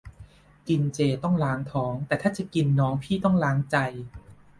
กินเจต้องล้างท้อง แต่ถ้าจะกินน้อง พี่ต้องล้างใจ